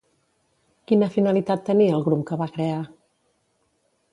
Quina finalitat tenia el grup que va crear?